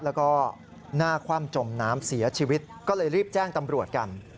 แล้วก็หน้าคว่ำจมน้ำเสียชีวิตก็เลยรีบแจ้งตำรวจกัน